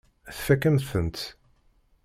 Tfakk-am-tent.